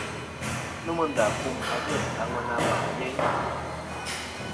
Nomɨ ndà kum age' a ŋwena mà yeyn.